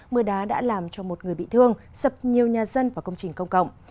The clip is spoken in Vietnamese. mưa đá đã làm cho một người bị thương sập nhiều nhà dân và công trình công cộng